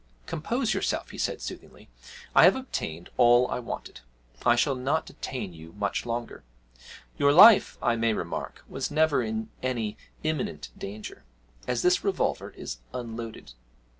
'Compose yourself,' he said soothingly, 'I have obtained all I wanted. I shall not detain you much longer. Your life, I may remark, was never in any imminent danger, as this revolver is unloaded.